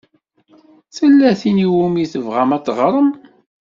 Tella tin i wumi tebɣam ad teɣṛem?